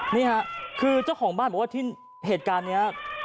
นี่ค่ะคือเจ้าของบ้านบอกว่าที่เหตุการณ์นี้